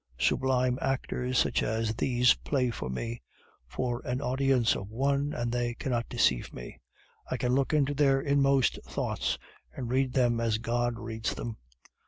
Sublime actors such as these play for me, for an audience of one, and they cannot deceive me. I can look into their inmost thoughts, and read them as God reads them.